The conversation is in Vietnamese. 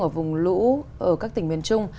ở vùng lũ ở các tỉnh miền trung